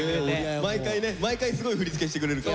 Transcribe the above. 毎回ね毎回すごい振り付けしてくれるから。